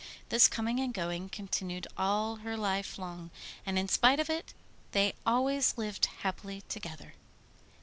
This coming and going continued all her life long, and in spite of it they always lived happily together.